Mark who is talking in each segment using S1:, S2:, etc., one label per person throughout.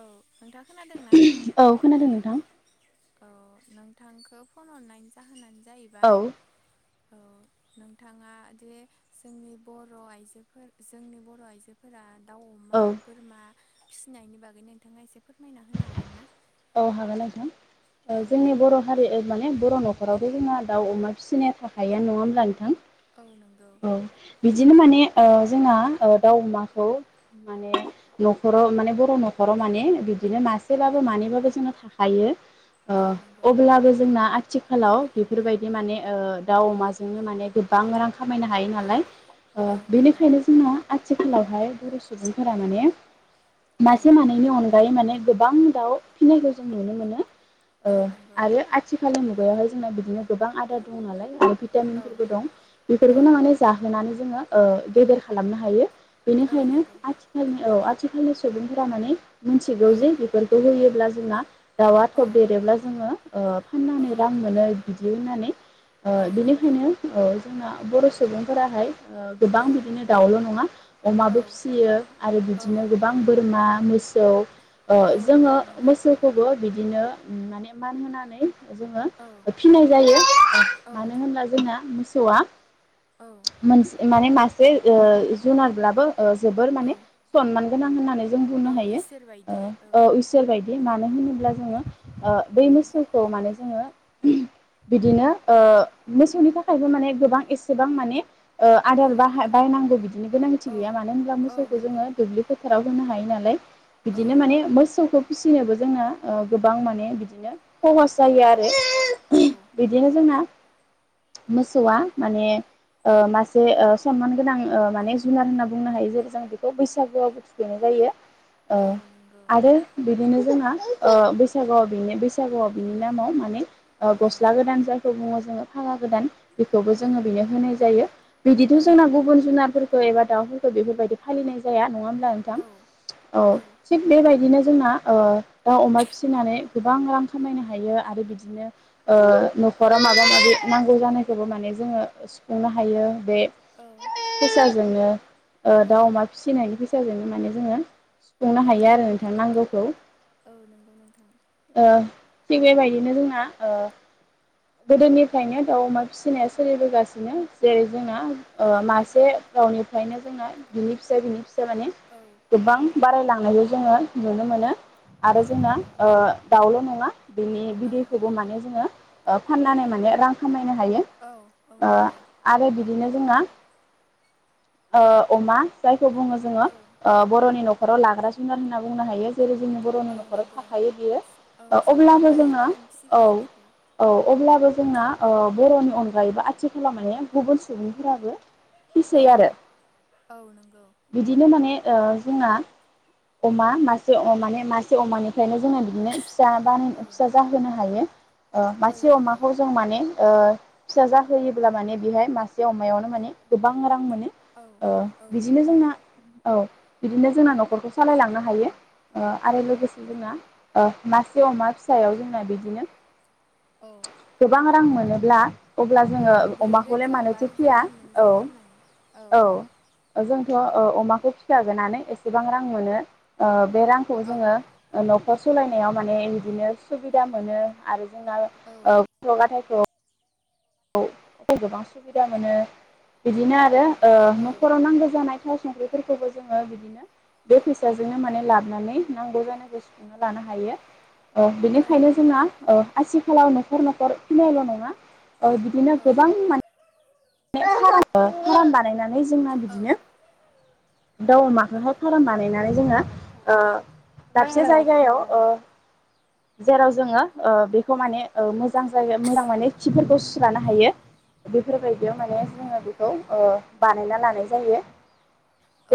S1: औ नोंथाङा खोनादों ना?
S2: औ खोनादों नोंथां
S1: औ नोंथांखौ फन हरनायनि जाहोनानो
S2: औ
S1: जाहैबाय औ नोंथाङा जे जोंनि बर' आइजोफोर जोंनि बर' आइजोफोरा दाउ अमा बोरमा फिसिनायनि बागै नोंथाङा एसे फोरमायना होनो हागोन ना?
S2: औ हागोन नोंथां ओ
S1: औ
S2: जोंनि बर' हारि ओ माने बर' न'खरावथ' जोंहा दाउ अमा फिनाया थाखायोआनो नङा होमब्ला नोंथां?
S1: औ नोंगौ।
S2: औ बिदिनो माने ओ जोंहा ओ दाउ अमाखौ माने न'खराव माने बर' न'खराव माने बिदिनो मासेब्लाबो मानैबाबो बेजोंनाव थाखायो ओ
S1: औ नंगौ
S2: अब्लाबो जोंना आथिखालाव बेफोरबायदि माने ओ दाउ अमाजोंनो माने गोबां रां खामायनो हायो नालाय ओ
S1: औ नंगौ
S2: बेनिखायनो जोंना आथिखालावहाय बर' सुबुंफोरा माने
S1: औ
S2: मासे मानैनि अनगायै माने गोबां दाउ फिसिनायखौ जों नुनो मोनो ओ
S1: औ नंगौ
S2: आरो आथिखालनि मुगायावहाय जोंना बिदिनो गोबां आदार दं नालाय
S1: औ
S2: भिटामिनफोरबो दं
S1: औ
S2: बेफोरखौनो माने जाहोनानै जोङो ओ गेदेर खालामनो हायो
S1: औ
S2: बेनिखायनो
S1: नंगौ
S2: आथिखालनि औ आथिखालनि सुबुंफोरा माने
S1: औ
S2: मिथिगौ जे बेफोरखौ होयोब्ला जोंना दाउआ
S1: औ
S2: थब बदेरोब्ला जोङो ओ
S1: औ
S2: फाननानै रां मोनो बिदि होननानै
S1: औ नंगौ
S2: बिनिखायनो जोंना बर' सुबुंफोराहाय ओ गोबां
S1: औ
S2: बिदिनो दाउल' नङा अमाबो फिसियो आरो
S1: औ
S2: बिदिनो गोबां बोरमा मोसौ
S1: औ
S2: जोङो
S1: नंगौ
S2: मोसौखौबो बिदिनो माने मान होनानै जोङो
S1: औ
S2: फिनाय जायो [inaudible]
S1: औ
S2: मानोहोनब्ला जोंना मोसौआ
S1: औ
S2: मोनसे माने मासे ओ जुनारब्लाबो ओ जोबोर माने
S1: औ
S2: सनमान गोनां होननानै जों बुंनो
S1: औ
S2: हायो
S1: इसोर बायदि
S2: ओ औ इस बे मानो होनोब्ला जोङो ओ बै
S1: औ
S2: मोसौखौ माने जोङो बिदिनो ओ मोसौनि थाखायबो माने गोबां एसेबां माने
S1: औ
S2: आदार बाहाय बायनांगौ बिदिनि गोनांथि
S1: औ
S2: गैया मानो होनब्ला
S1: औ
S2: मोसौखौ
S1: नंगौ
S2: जोङो दुब्लि फोथाराव होनो हायो नालाय
S1: औ
S2: बिदिनो माने मोसौखौ फिसिनोबो जोंना ओ गोबां माने बिदिनो खहास जायो आरो
S1: औ
S2: [inaudible] बिदिनो जोंहा मोसौआ माने मासे सनमान गोनां मान जुनार होनना बुंनो हायो जेरै जों बेखौ बैसागुआवबो थुखैनाय जायो
S1: औ नंगौ
S2: आरो बिदिनो जोंना बैसागुआव बेनो बैसागुआव बिनि नामाव माने ओ
S1: औ
S2: गस्ला गोदान जायखौ बुङो जोङो फागा गोदान बेखौबो
S1: औ
S2: जोंङो बेनो होनाय जायो बिदिथ'
S1: औ
S2: जोंनाव गुबुन जुनारफोर खो एबा दाउफोरखौ बेफोरबायदि फालिनाय जाया नङा होनबा नोंथां
S1: औ
S2: औ थिग बेबायदिनो जोंना ओ दा अमा फिसिनानै गोबां रां खामायनो हायो आरो बिदिनो ओ हराव माबा माबि नांगौ जानायखौबो माने जोङो सुफुंनो हायो बे फैसाजोंनो दाउ
S1: औ
S2: अमा फिसिनायनि फैसाजोंनो माने जोङो सुफुंनो हायो
S1: औ
S2: आरो नांगौखौ
S1: औ नंगौ नोंथां
S2: ओ थिग बेबायदिनो जोंना ओ गोदोनिफ्रायनो दाउ अमा फिसिनाया सोलिबोगासिनो जेरै जोंना ओ मासे
S1: औ
S2: रावनिफ्रायनो जोङो बिनि फिसा बिनि फि सा माने
S1: औ
S2: गोबां बारायलांनायखौ जोङो नुनो मोनो आरो
S1: औ
S2: जोंना
S1: नंगौ
S2: ओ दाउल' नङा बिनि
S1: औ
S2: बिदैखौबो माने जोङो ओ फाननानै माने रां खामायनो हायो
S1: औ औ
S2: ओ
S1: नंगौ
S2: आरो बिदिनो जोङा अमा ओ अमा जायखौ बुङो जोङो
S1: औ
S2: बर'नि न' न'खराव लाग्रा जुनार होनना बुंनो हायो जेरै जोंनि बर'नि
S1: औ
S2: न'खराव
S1: नंगौ
S2: थाखायो बियो
S1: औ
S2: ओ अब्लाबो
S1: साफ्रोमबो
S2: जोंहा
S1: आइजोफोरानो
S2: औ
S1: फिसिखायो बेखौ
S2: औ अब्लाबो जोंहा ओ बर'नि अनगायैबो आथिखालाव माने गुबुन सुबुंफोराबो
S1: औ
S2: फिसै आरो
S1: औ नंगौ
S2: बिदिनो माने ओ जोंहा। अमा मासे अ माने मासे अमानिफ्रायनो जोङो बिदिनो फिसा बानायनो
S1: औ
S2: फिसा जाहोनो हायो ओ
S1: औ
S2: मासे
S1: नंगौ
S2: अमाखौ जों माने ओ फिसा जाहोयोब्ला माने बेहाय मासे अमायावनो माने गोबां रां मोनो
S1: औ
S2: ओ
S1: औ
S2: बिदिनो
S1: नंगौ
S2: जोंना औ बिदिनो जोंना न'खरखौ सालायलांनो हायो ओ
S1: औ
S2: आरो लोगोसे जोंना ओ मासे अमा फिसायाव जोंना बिदिनो
S1: औ
S2: गोबां रां मोनोब्ला अब्ला
S1: औ
S2: जोङो
S1: ब्रै
S2: अमाखौलाय
S1: रोजा बा
S2: मानोथो
S1: रोजा
S2: फिया
S1: गाहाम मोनो जों फाननानै औ
S2: औ-औ ओजों [unintelligible] ओ अमाखौ फिसिखागोनानै एसेबां रां मोनो ओ बे रांखौ
S1: औ
S2: जोंङो ओ नखर सालायनायाव माने इदिनो सुबिदा मोनो आरो जोंना
S1: औ
S2: गथ' गथायखौ औ औ गोबां सुबिदा मोनो बिदिनो आरो ओ
S1: औ
S2: न'खराव नांगौ जानाय थाव संख्रिफोरखौबो जोङो बिदिनो बे फैसाजोंनो माने लाबोनानै नांगौ जानांगौ सुथुंना लानो हायो ओ
S1: औ
S2: बेनिखायनो
S1: नंगौ
S2: जोंहा ओ आसिखालाव न'खर न'खर फिनायल' नङा औ बिदिनो
S1: औ
S2: गोबां माने फ्राम बानायनानै जोंना
S1: औ
S2: बिदिनो दाउ
S1: औ
S2: अमाखौहाय फार्म बानायनानै जोङो ओ
S1: औ
S2: दाबसे जायगायाव ओ जेराव जोङो ओ बेखौ माने ओ मोजां जागोन मोजां माने खिफोरखौ सु सोलानो
S1: औ
S2: हायो बेफोरबायदियाव माने
S1: औ
S2: जोङो
S1: नंगौ
S2: बेखौ ओ बानायना लानाय जायो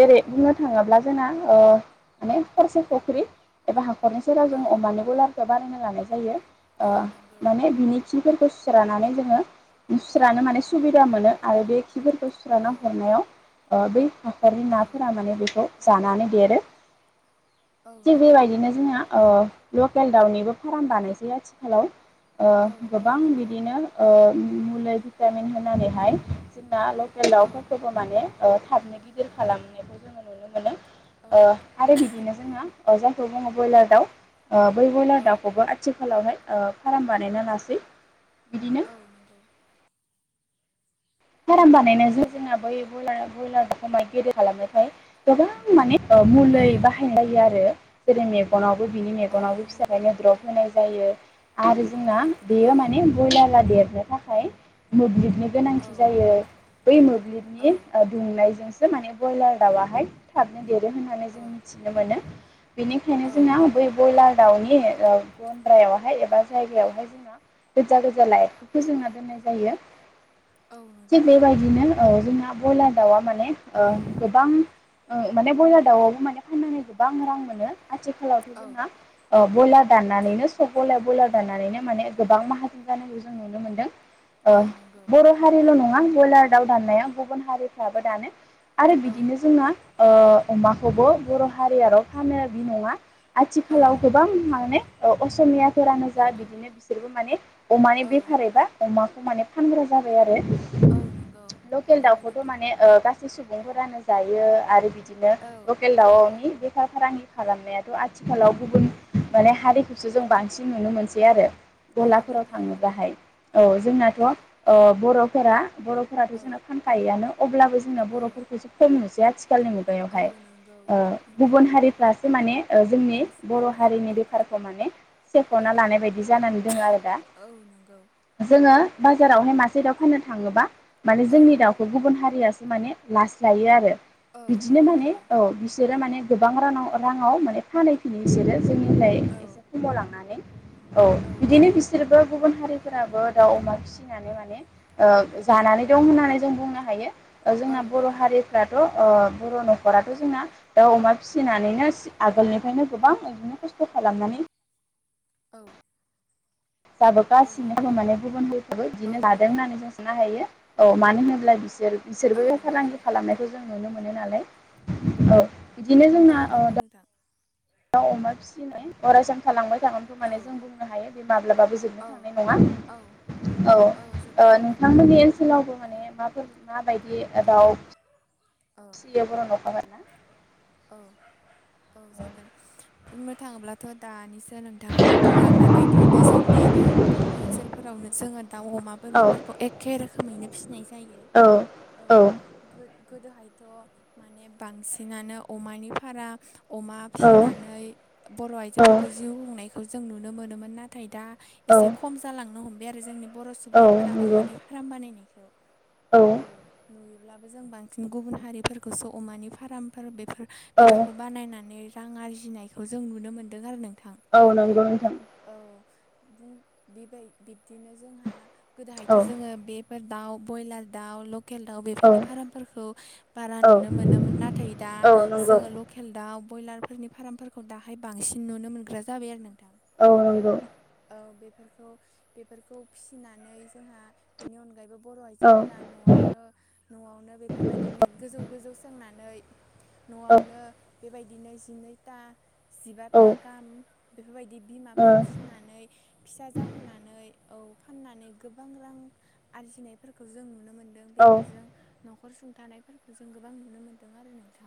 S1: औ
S2: बुंनो थाङोब्ला जोंना ओ माने खरसे फुख्रि एबा हाखरनि सेराव
S1: औ
S2: जोङो अमानिबो [unintelligible] बानायना लानाय जायो ओ
S1: औ नंगौ
S2: माने बिनि खिफोरखौ सुस्रानानै जोङो
S1: औ
S2: बिसोरानो माने सुबिदा मोनो आरो बे खिफोरखौ
S1: औ
S2: सुस्राना हरनायाव ओ बै फोरनि
S1: औ
S2: नाफोरा माने बेखौ जानानै देरो।
S1: औ
S2: थिग
S1: नंगौ
S2: बेबायदिनो जोंहा ओ लकेल दाउनिबो फाराम बानायसै आथिखालाव।
S1: औ
S2: ओ
S1: औ
S2: गोबां
S1: नंगौ
S2: बिदिनो ओ मु मुलि भिटामिन होनानैहाय जों ना लकेल
S1: औ
S2: दाउफोरखौबो माने ओ थाबनो गिदिर खालामनायखौ जोङो नुनो मोनो।
S1: औ
S2: ओ आरो बिदिनो जोङो ओ जायखौ बुङो बयलार दाउ। बै
S1: औ
S2: ब्रयलार दाउखौबो आथिखालावहाय ओ फार्म बानायना लासै। बिदिनो
S1: औ नंगौ।
S2: फार्म बानायनाय
S1: औ
S2: ज जोंना बै ब्रयलार ब्रयलारखाय गेदिर खालामनोफ्राय गोबां माने औ मुलै बाहायनाय जायो आरो जेरै मेगनाव बो बिनि
S1: औ
S2: मेगनाव
S1: मुलि
S2: फिसाफोरनो
S1: औ
S2: द्रप होनाय जायो आरो जोंना
S1: औ
S2: बेयो माने बयलारा देरनो थाखाय मोब्लिबनि।
S1: औ
S2: गोनांथि जायो बै मोब्लिबनि
S1: औ
S2: ओ दुंनायजोंसो माने ब्रयलार दाउआहाय थाबनो देर गोन होननानै जों मिथिनो मोनो बेनिखायनो
S1: औ
S2: जोंना बोय बयलार दाउनि ओ गन्द्रायावहाय एबा जायगायावहाय जोंना गोजा-गोजा लाइतखौ जोंना दोननाय जायो।
S1: औ नंगौ
S2: थिग बेबायदिनो ओ जोंना ब्रयलार दाउआ माने ओ गोबां माने ब्रयलार दाउआवबो माने फाननानै गोबां रां मोनो आथिखालावथ'
S1: औ
S2: जोंना ओ ब्रयलार दाननानैनो सब ब्रयलार -ब्रयलार दाननानैनो माने गोबां माहाजोन जानायखौ जों नुनो मोनदों। ओ
S1: औ नंगौ।
S2: बर' हारिल' नङा बयलार दाउ दाननाया गुबुन हारिफ्राबो दानो आरो
S1: औ
S2: बिदिनो जोंहा ओ अमाखौबो बर' हारियाल' फानो बे नङा
S1: औ
S2: आथिखालाव गोबां माने ओ असमियाफोरानो जा बिदिनो बिसोरबो माने अमानि
S1: औ
S2: बेफार एबा अमा खौ माने फानग्रा जाबाय आरो
S1: औ नंगौ
S2: लखेल
S1: नंगौ
S2: दाउखौथ'
S1: नोंथां
S2: माने ओ गासै सु मैगंफोरानो जायो आरो बिदिनो
S1: औ
S2: लकेल दाउवावनि फाराग फारांगि खालामनायाथ' आथिखालाव गुबुन माने हारिखौसो जों बांसिन नुनो मोनसै आरो।
S1: औ
S2: गलाफोराव
S1: नंगौ
S2: थाङोबाहाय औ जोंनाथ' ओ बर'फोरा बर'फोराथ'
S1: औ
S2: जोंना फानखायोआनो अब्लाबो जोंना
S1: औ
S2: बर'फोरखौसो खम नुसै आथिखालनि
S1: औ
S2: मुगायावहाय।
S1: नंगौ
S2: ओ
S1: नंगौ
S2: गुबुन हारिफ्रासो माने ओ जोंनि
S1: बांसिन
S2: बर'
S1: जाबाय
S2: हारिनि बेफारखौ माने सेख'नाय
S1: औ
S2: लानाय बायदि जानानै दङ आरो दा।
S1: औ नों।
S2: जोङो जेरावहाय मासे दाउ फाननो थाङोबा माने
S1: औ
S2: जोंनि दाउखौ गुबुन हारियासो माने लास्रायो आरो।
S1: औ औ
S2: बिदिनो माने
S1: नंगौ
S2: औ बिसोरो माने गोबां रानाव राङाव माने फानहैफिनो बिसोरो। जोंनिफ्राय
S1: औ
S2: एसे खमाव लांनानै। ओ
S1: औ
S2: बिदिनो
S1: नंगौ
S2: बिसोरबो गुबुन हारिफोराबो दाउ अमा फिसिनानै माने।
S1: औ
S2: ओ जानानै दं होननानै जों बुंनो हायो ओ
S1: औ
S2: जोंना बर'
S1: नंगौ
S2: हारिफ्राथ' ओ बर' न'खराथ' जोंना दाउ अमा फिसिनानैनो सि आगोलनिफायनो गोबां बिदिनो खस्थ'। खालामनानै।
S1: औ। औ
S2: जाबोगासिनो
S1: नंगौ
S2: होननानै गुबुन हारिखौबो
S1: औ
S2: बिदिनो जादों
S1: नंगौ
S2: होननानै जों साननो हायो ओ मानोहोनोब्ला। बिसोर
S1: औ
S2: बिसोरबो
S1: नंगौ
S2: फालांगि
S1: नोंथां
S2: खालामनायखौ जों नुनो म मोनो नालाय ओ बिदिनो
S1: औ
S2: जोंना
S1: नंगौ
S2: ओ।
S1: नोंथां
S2: दाउ अमा फिसिनाय अरायसम थालांबाय थागोनखौ
S1: औ
S2: माने जों बुंनो हायो बे माब्लाबा। गोजोननो
S1: औ
S2: थांनाय
S1: औ
S2: नङा औ
S1: जोबनो
S2: ओ
S1: थांनाय नङा
S2: नोंथांमोननि
S1: नोंथां
S2: ओनसोलावबो
S1: औ
S2: माने माफोर माबायदि ओ दाउ।
S1: औ
S2: [unintelligible] बर' नखर आरो ना
S1: औ औ जागोन बुंनो थाङोब्लाथ' दानिसो नोंथाङा बुंलांनाय बायदियैनो जों नि गामि ओनसोलफोरावनो जोङो दाउ अमा
S2: औ
S1: बोरमाफोरखौ एखे रोखोमैनो फिनाय जायो
S2: औ
S1: औ। गोदोहायथ' माने बांसिनानो अमानि फारा अमा फिनानै बर'
S2: औ
S1: आइजोफोरखौ जिउ खुंनायखौ जों नुनो मोनोमोन नाथाय दा
S2: औ
S1: एसे खम जालांनो हमबाय आरो जोंनि बर'
S2: औ
S1: सुबुंफोरा
S2: नंगौ
S1: अमानि फार्म बानायनायखौ औ नुयोब्लाबो जों बांसिन गुबुन हारिफोरखौसो अमानि फार्मफोर बे
S2: औ
S1: बेफोरखौ बानायनानै रां आरजिनायखौ जों नुनो मोन्दों आरो नों
S2: औ नंगौ नोंथां।
S1: बिदि बेबाय बिब्दिनो जोंहा गोदोहायथ'
S2: औ
S1: जोङो बे फोर दाउ ब्रइलार दाउ ल लकेल दाउ
S2: औ
S1: बेफोरनि फार्मफोरखौ बारा
S2: औ
S1: नुनो मोनामोन नाथाय दा
S2: औ नंगौ
S1: जोङो लकेल दाउ ब्रयलारफोरनि फार्मफोरखौ दाहाय बांसिन नुनो मोनग्रा जाबाय आरो नोंथां
S2: औ नंगौ।
S1: औ बेफोरखौ बेफोरखौ फिसिनानै जोंहा बिनि अनगायैबो बर'
S2: औ
S1: आइजोफोरा न'आवनो न'आवनो बेफोरबायदि नेट गोजौ गोजौ सोंनानै
S2: औ
S1: न'आवनो बेबायदिनो जिनैथा
S2: औ ओ
S1: जिबाथा गाहाम बेफोरबायदि
S2: औ
S1: बिमाफोर फिसिनानै फिसा जाहोनानै औ फाननानै गोबां रां आरजिनायफोरखौ जों नुनो मोनदों
S2: औ
S1: बेफोरजों न'खर सुंथानायफोरखौ जों गोबां नुनो मोन्दों आरो नों औ।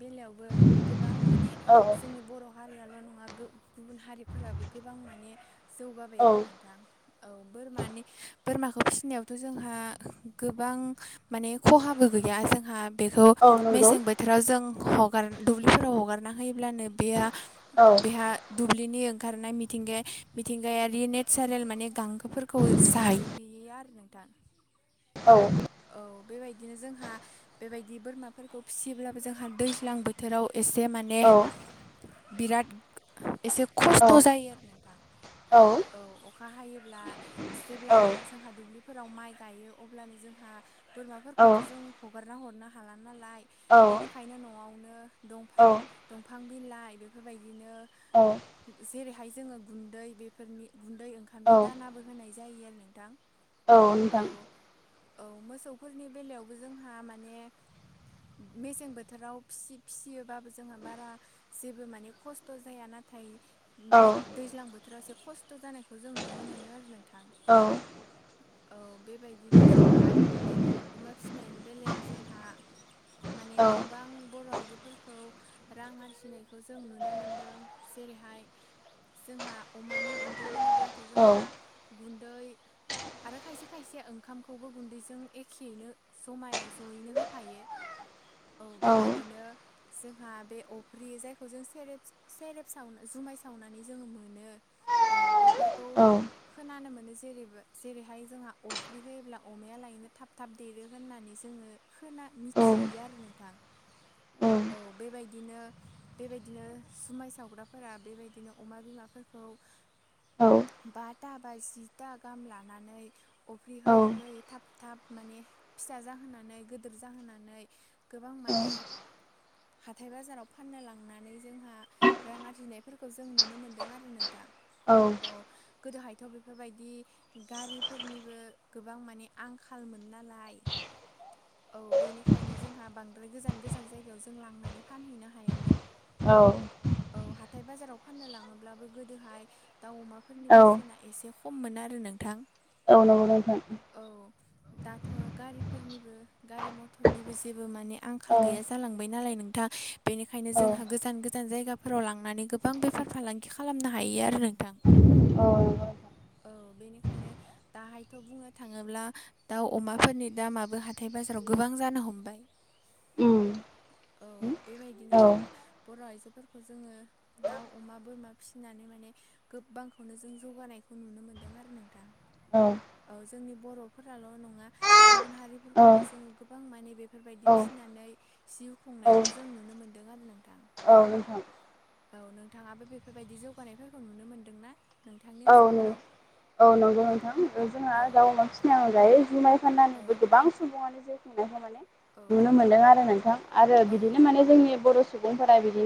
S1: बेलायावबो गोबां माने
S2: औ
S1: जोंनि बर' हारियाल' नङा गुबुन हारिफोराबो गोबां माने
S2: औ
S1: जौगाबाय आरो नोंथां। औ बोरमानि बोरमाखौ फिसिनायावथ' जोंहा गोबां माने खहाबो गैया जोंहा बेखौ
S2: औ नंगौ
S1: मेसें बोथोराव जों हगार दुब्लिफोराव हगार ना होयोब्ला नो बेहा-
S2: औ
S1: बेहा दुब्लिनि ओंखारनाय मिथिंगाया मिथिंगायारि नेचारेल माने गांखोफोरखौ जाहैहयो आरो। नोंथां।
S2: औ
S1: औ बेबायदिनो जोंहा बेबायदि बोरमाफोरखौ फिसियोब्लाबो जोंहा दैज्लां बोथोराव एसे माने
S2: औ
S1: बिराद एसे
S2: औ
S1: खस्थ' जायो आरो नोंथां। औ अखा हायोब्ला जेब्लानो जोंहा दुब्लि फोराव माइ गायो अब्लानो जोंहा
S2: औ
S1: बोरमाफोरखौथ' जों हगारना हरनो हाला नालाय बेनिखायनो न'आवनो दफां -दंफां बिलाइ बेफोरबायदिनो
S2: औ
S1: जेरै नाथाय जोङो गुन्दै बेफोरनि गुन्दै
S2: औ
S1: ओंखामनि दानाबो होनाय जायो आरो नोंथां
S2: औ नोंथां।
S1: औ मोसौफोरनि बेलायावबो जोंहा माने मेसें बोथोराव फिसियोबाबो जोंहा बारा जेबो माने खस्थ' जाया नाथाय
S2: औ
S1: नाथाय दैज्लां बोथोराव जे खस्थ' जानायखौ जों नुनो मोनो आरो
S2: औ
S1: नोंथां औ बेबायदिनो जोंहा आरोबाव बे अमा फिसिनायनि बेलायाव जोंहा माने
S2: औ
S1: गोबां बर' आइजोफोरखौ रां आरजिनायखौ जों नुनो मोनदों जेरैहाय जोंहा अमानि गुन्दै होनोब्ला अब्लाथ'
S2: औ
S1: जोंहा गुै आरो खायसे खायसे ओंखाम खौबो गुन्दैजों एखेयैनो जमाय जयैनो होफायो औ बेबायदिनो जोंहा बे अफ्रि जायखौ जों सेरे सेरेब साव जुमाय सावनानै जोङो मोनो औ
S2: औ
S1: बेफोरखौ
S2: औ
S1: खोनानो मोनो जेरैबो जेरैहाय जोंहा अफ्रि होयोब्ला अमाया लायनो थाब थाब देरो होननानै जोङो खोना
S2: औ
S1: मिथियो आरो नोंथां औ बेबायदि बिदिनो बेबायदिनो जुमाय सावग्राफोरा बेबायदिनो अमा बिमाफोरखौ बाटा बा जिथा गाहाम लानानै अफ्रिहोयो थाब थाब माने फिसा जाहोनानै गिदोर जाहोनानै गोबां माने हाथाय बाजाराव फाननो लांनानै जोंहा रां आरजिनायफोरखौ जों नुनो मोनदों आरो नोंथां औ गोदोहायथ' बेफोरबायदि गारिफोरनिबो गोबां माने आंखालमोन नालाय औ बेनिखायनो जोंहा बांद्राय गोजान गोजान जायगायाव जों लांनानै फानहैनो हायामोन
S2: औ
S1: हथाय बाजाराव फाननो लाङोब्लाबो गोदोहाय दाउ अमाफोरनि बेसेना एसे ख खममोन आरो नोंथां
S2: औन [unintelligible]
S1: औ दाथ' गारिफोरनिबो गारि मथरनिबो जेबो माने आंखाल
S2: औ
S1: गैया जालांबाय नालाय नोंथां बेनिखायनो
S2: औ
S1: जोंहा गोजान गोजान जायगा फोराव लांनानै गोबां बेफार फालांगि खालामनो हायो आरो नोंथां
S2: औ नंगौ
S1: औ बेनिखायनो दाहायथ' बुङो थाङोब्ला दाउ अमाफोरनि दामाबो हाथाय बाजाराव गोबां जानो हमबाय
S2: उम
S1: औ
S2: औ
S1: बेबायदिनो
S2: औ
S1: जोंहा बर' आइजो फोरखौ जोङो दाउ अमा बोरमा फिसिनानै माने गोबांखौनो जों जौगानायखौ नुनो मोनो मोनदों आरो नों
S2: औ
S1: जोंनि बर'फोराल' नङा गुबुन हारिफोरखौबो जोङो गोबां माने बेफोरबायदि फिसिनानै जिउ
S2: औ
S1: खुंनायखौ जों नुनो मोनदों दों आरो नोंथां
S2: औ नोंथां
S1: औ नोंथाङाबो बेफोरबायदि जौगानायफोरखौ नुनो मोन्दों ना
S2: औ औ नंगौ
S1: औ
S2: नोंथां जों
S1: औ
S2: गाव बांखिनि आंजायै जुमाय फाननानैबो
S1: औ
S2: गोबां सुबङानो जायखनायखाय माने
S1: औ
S2: नुनो मोनदों आरो नोंथां आरो
S1: औ
S2: बिदिनो माने जोंनि बर' सुबुंफोरा बिदिनो